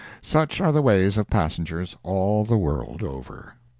Such are the ways of passengers, all the world over.